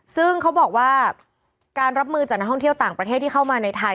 ซึ่งเขาบอกว่าการรับมือจากนักท่องเที่ยวต่างประเทศที่เข้ามาในไทย